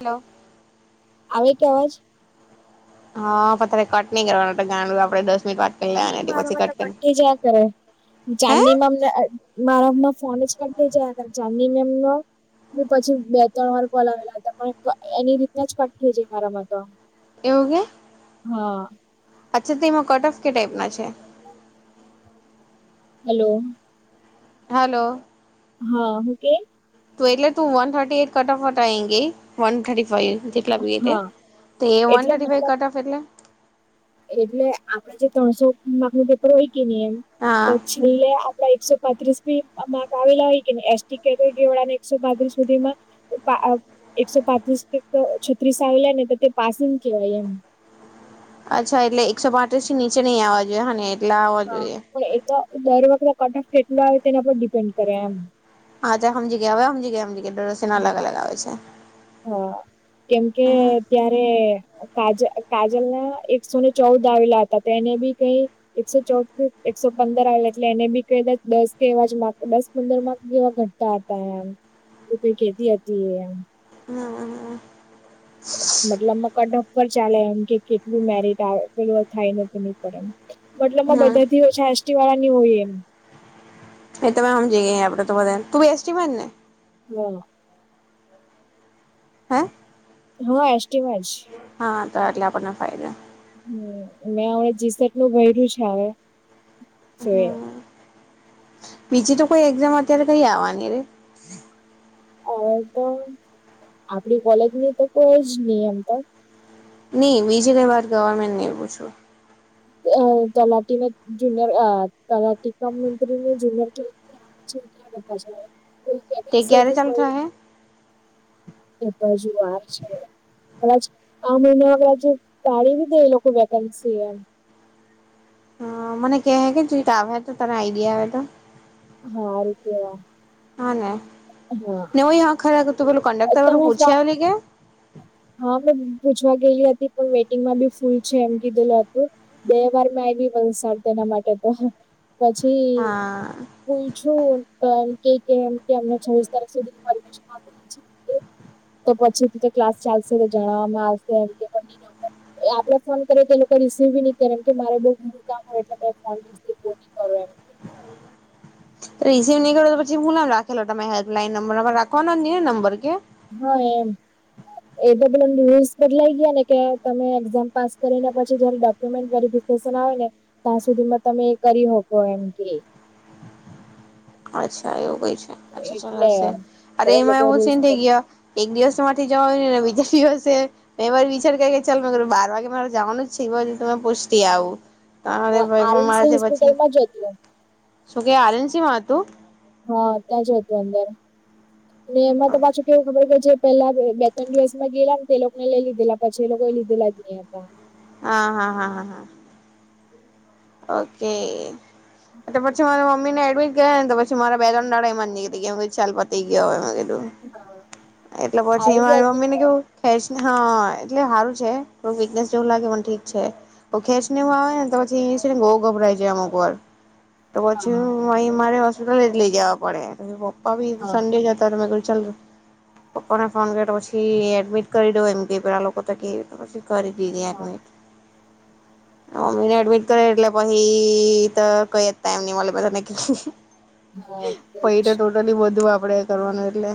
Hello આવે કેવાજ હા, તારે કટ નહી. કરવાનુ તો જાણવું આપડે દસ મિનિટ વાત કરી લેવાની હતી પછી મારામા, કટ તો કરી કી જ કરે હે ચાંદીમાં અમને મારા અમમા, ફોન જ કરતી જાય આગર ચાની મે એમનો પછી, બે ત્રણ વાર કોલ આવેલા હતા પણ એની રીતના જ કટ થઈ, જાય. મારામા તો એવુ કે હા અચ્છા, તો એમાં કટ ઓફ કે ટાઈપના છે. હેલો! હલો! હા હ કે? તો એટલે તું one thirty eight cut off હટગે વન થર્ટી ફાઈવ જેટલા વેટે હા તે એ વન એટલે થર્ટી ફાઇવ મતલબ કટ ઓફ એટલે? એટલે આપડે જે ત્રણસો માકનુ પેપર હોય, કે નહી એમ હા પછી એકસો, પાંત્રીસી માર્ક આવેલા હોય. કે એસને એકસો પાંત્રીસ સુધીમા એકસો પાત્રીસ છત્રીસ, આવેલા ને તો તે પાસિંગ કેવાય એમ અચ્છા એટલે એકસો પાંત્રીસ થી, નીચે નઈ આવવા જોઈએ એલે હા, પણ એ તો દર વખતે કટ ઓફ કેટલો આવે તેના પર ડિપેન્ડ કરે એમ હા, તં સમજી ગયા હ, સમજી ગયા સમજીયા ડરોસીના અલગ હા અલગ આવે છે. હા, કેમ કે હમ ત્યારે કાજલ, કાજલ ના એકસો ને ચૌદ આવેલા હતા તેને બી કઈ એકસો ચૌદ એકસો પંદર આવે એટલે એને બી ક દા દસ, કે એવા માર્ દસ પંદર માર્ક જેવા ઘટતા હતા, એમ તો કઈ કેતી હતી. એ એમ નવાો ન મતટલ, અમ કટ ઓફ પર ચાલે એમ કે કેટલું મેરિટ આવેલુ થાય નથી, ની પર એમ મતલબમાં બધા હમ થી હોય છે. એસટી વાળા ની હોય એમ એ તમે હમ, જ ગ આપડે તો બધા તું બેસ્ટમે ને હ હે હા, એસીમાં જ હા તો એટલે આપણને ફાયદો હમ, મેં હણા જીસર્ટ નું ભહેર્યું છે. હ જોઈ બીજી, તો કોઈ એક્ઝામ અત્યારે કઈ આવવાની રે હવે, તો આપડી કોલેજની તો કોઈ જ નહી એમ તો નઈ બીજી કઈ વાત ગવર્મેન્ટ ને એવું છુ. અ તલાટીના, જુનયર તલાટી કામ મંત્રીને જુનિયર ક્યા, કરતા તે વેકેન્સી ક્યારે હજુ ચાલ થ કોઈ હ એ હજુ વાર છે. કદાચ આ મહિના, કદાચ તાળ દીધે એ લોકો વેકેન્સી એમ હ, મને કેહે, કે [unintelligible] તને આઈડિયા આવે તો હારૂ કેવા હા ને હા નેવય હ ખરા તું પેલું કંડક્ટર તમે વાળું પૂછી ફોર્મ આવેલી કે હા મેં પૂછવા ગયેલી હતી પણ વેટિંગમાં બી ફૂલ છે એમ કીધેલ હતું બે વાર મે વલસાડ તેના માટે તો પછી હા પૂયછું કે કેય કે કે અમને છવીસ તારીખ સુધીની પરીક્ષા આપલી છે તો પછી થી જે ક્લાસ ચાલશે જણવામાં [unintelligible] એ આપડે ફોન કરી એ લોકો રિસીવ બી ની કરે એમ કે મારે બહ મોટું કામ હોય એટલે ફોન રિસીવ નહી કરો એમ કે. રિસીવ નહીં કરો તો પછી હું નામ રાખેલો તમા હેલ્પલાઈન નંબર તમારે રાખવાનો જ ની હે નંબર કે હ એમ એ બલ રૂલ્સ બદલાઈ ગયા ને કે તમે એક્ઝામ પાસ કરીને પછી જયારે ડોક્યુમેન્ટ વેરિફ આવે ને ત્યાં સુધીમાં તમે એ કરી હકો એમ કે અચ્છા એવું કઈ છે. અચ્છા ચાલ એટલે હશે એમ તો અરે એ એમાં લોકો એવો રૂલ્સ સીન થઈ ગયા એક દિવસ માટેથી જવાયુની ને દિવસે મે એમજ વિચાર કર્યે કે ચાલ મર બાર વાગે મારે જવાનું જ છે એ બાજુ તો મેં પોસ્ટતી આવું તારે ભાઈ પણ મારા આરએમસી થી પછી હોસ્પિટલમાં જ હતું શું કે આર્યન સેમાં હ હા ત્યાં જ હતું અંદર એમાં તો પાછું કેવું ખબર કે જે પેલા બે બે ત્રણ દિવસ માં ગેલા, ને તે લોકો ને લઈ લીધેલા પછી, એ લોકો લીધેલા જ નહી હતા હા, હા, હા હા, હા ઓકે તો પછી મારે મમીને એડમિટ ગયા, ને તો પછી મારા બે ત્રણ દાળામા જ નીકળી ગયા, પછી કેમ ચાલ પતી ગયો આવે મેં કીધું એટલે, પછી આવી મારી મમ્મી ને ગયા કેવું ખે હા, એટલે હારુ છે. વિકનેસ જેવું લાગે પણ ઠીક છે તો ખેચ નેવું આવે ને તો પછી ગભરાય જાય અમુક વાર તો પછી હા મા મા મારે લઈ જવા પડે પછી પપ્પા ભી હા સંડે જતા હતા મેં કીધું ચાલ પપ્પા ને ફોન કર પછી એડમિટ કરી દ એમ કે પેલા લોકો તો કે પછી કરી દીધી હા એડમિટ મમ્મીને એડમિટ કરે એટલે પહિ ત કઈ જ ટાઈમ ની મલે બધાને પહીં હા તો ટોટલી બધુ આપડે કરવાનું એટલે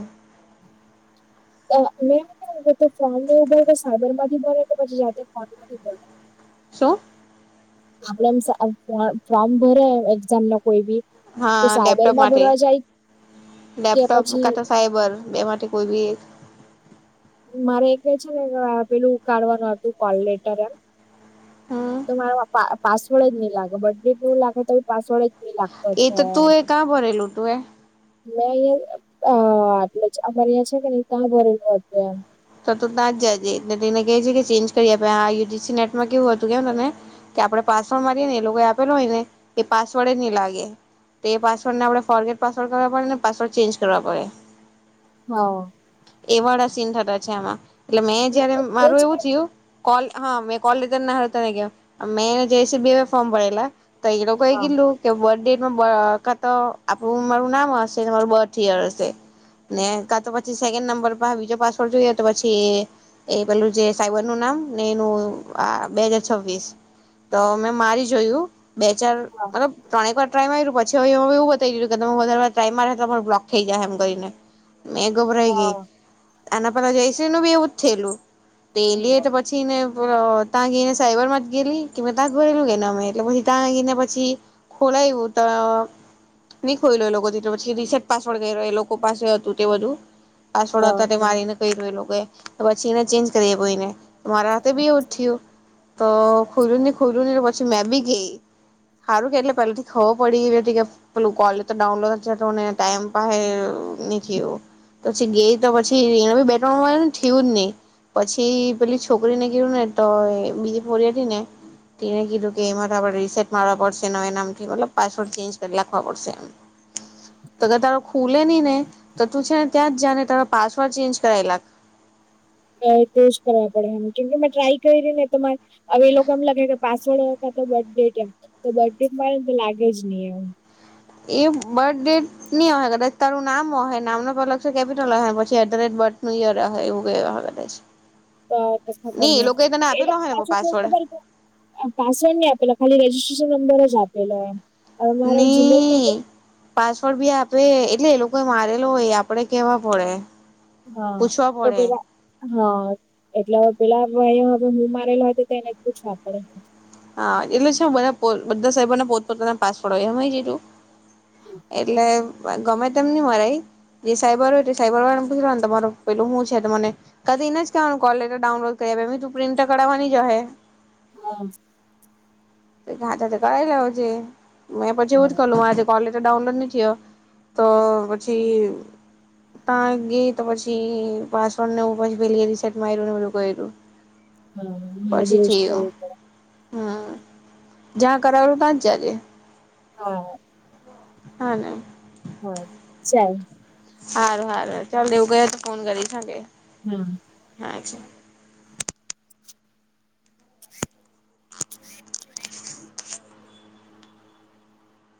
મેમ કે કે ફોર્મ ને એવું ભરે તો સાયબરમાંથી ભરે કે પછી જાતે ફોનમાંથી ભરે શું આપડે એમ ફોર્મ ભરે એક્ઝામ ન કોઈ બી તો હા લેપટોપ સાયબરમાં માટે ભરવા જાય કે લેપટોપ પછી કાતા સાયબર એ માટે કોઈ બી એક મારે એક ક છે ને પેલું ઉકાડવાનું હતું કોલ લેટર એમ હમ તો મારો પા પાસવર્ડ જ નહી લાગે બધું પૂરી લાખું તો બી પાસવર્ડ જ નહી લાગતો એ છે તો એમ તું એ કા ભરેલું તુંયે મેં અહિયાં અહહ આટલે જ અમારે અહીંયે છે ને કે ની ત્યાં ભરેલું હતું એમ તા જ જજે ને અને તેને કજે છે કે ચેન્જ કરી આપે આ યુ જી સી નેટમાં કેવું હતું કે મને તે આપણે પાસવર્ડ મારીએે ને એ લોકો આપેલો હોય ને એ પાસવર્ડ જ ની લાગે તે પાસવર્ડ ને આપણે ફોરગેટ પાસવર્ડ કરવો પડે ને પાસવર્ડ ચેન્જ કરવા પડે હા એ વાળા સીન થતા છે આમાં એટલે મેં જયારે મારું એજ ને એવું થયું કોલ હા મેં કોલ લેટર ના હારુ તને કેમ મેં ને જયશ્રી બેવે ફોર્મ ભરેલા તો એ લોકો હા કીધેલું કે બર્થ ડેટ બકા તો આપણું મારું નામ હશે અને મારું બર્થ યર હશે ને કા તો પછી સેકન્ડ નંબર પાહે બીજો પાસવોર્ડ જોઈએ તો પછી એ પેલું જે સાઈબર નું નામ ને એનું આ બે હજાર છવ્વીસ તો મેં મારી જોયું બે ચાર હા મતલબ ત્રણેક વાર ટ્રાય માર્યું પછી હવે એવું બતાવી ગયુ કે તમૅ વધારે ટ્રાય મારે તો બ્લોક થઈ જાય એમ કરીને મેં ગભરાઈ હા ગઈ આના પહેલા જયશ્રીનું બી એવું જ થયેલું તે લે હા. તો પછીને બલો ત્યાં ગીને સાઈબર માં જ ગેલી કે મે ત્યાં ભરેલું ગે ને અમે એટલે પછી ત્યાં ગીને પછી ખોલાવું તો નહી ખોઈ લો એ લોકો પછી રિસેટ પાસવર્ડ એ લોકો પાસે હતું તે બધું પાસવર્ડ હા હતા તે એ પછી એને ચેન્જ કરીને મારા હારે ભી એવું થયું. તો ખુરું ખુરું પછી, મેં ભી ગય‌ સારું કે એટલે પેલાથી ખબર પડી ગઈ હતી કે પેલું કોલ તો ડાઉનલોડ હતો ને ટાઈમ પાસે નથી એવું પછી ગઈ તો પછી બે ત્રણ વાર થયું જ નહી પછી પેલી છોકરીને કીધું ને તો બીજી પોરી હતી ને તેને કીધું કે એમાંણે રીસેટ મારવા પડશે એ નામથી મતલબ પાસવર્ડ ચેન્જ કરી રાખવા પડશે એમ તોર તારો ખુલે નહી ને તો તું છે ને ત્યાં જ જા ને તારા પાસવર્ડ ચેન્જ કરાવી નાખ કો કરવા પડે એ કેમ કે મેં ટ્રાય કરી ને તો હવે એ લોકો એમ લાગે કે પાસવર્ડ તો બર્થ ડે એમ તો બર્થ ડે મા તો લાગે જ નહી એમ એ બર્થ ડેટ નની હોય કદાચ તારું નામ હોય, નામનો પેલો અક્ષર કેપિટલ હોય, પછી ધે બર્થ નું યર હશે એવું કઈ છે [inaudible] તો તો ખબર નહી એમ એ હોય ને પાછું કે પાસવર્ડ ખબર પાસવર્ડ નહી આપેલો ખાલી રજીિસ્ટ્રેશન નંબર જ આપેલો એમ હવે મારે જીમેલ પર ની તો પાચ પાસવર્ડ ભી આપે એટલે એ લોકો મારેલો હોય આપડે કહેવો પડે હા પૂછવા તો પડે પેલા હા એટલે હવે પેલા ભાઇ પણ મારેલો હો તો એને પૂછવા પડે હા એટલે છે બધા બધા સાહેબોના પોતપોતાના પાસવર્ડ હોય એટલે ગમે તેમ નઇ મરાય જે સાયબર હોય તે સાયબર વાળાને પૂછવા ને તમારો પેલું હું છે તો મને કદી જ કેવાનું કોલલેેટર ડાઉનલોડ કરી. તું પ્રિન્ટ તો રાવવાની જ હે હા ઘાટ કરાવી લાવજે મેં પણ જેવું જ હા કરી લગ આજ કોલેજ ડાઉનલોડ ન થયો તો પછી ત્યાં ગઈ તો પછી પાસવર્ડનુ એવુ પછી પેલી રીસેટ મારી્યું ને બધું કર્યું હા મારે પણ પછી એવું જ કરવું પડે જ્યા કરાવયુ ત્યા જ જાજે હા હા ના હા ચાલ હારું હારું ચાલ દવ ગયા તો ફોન કરી થકે. હા [inaudible] [unintelligible] હરે હરે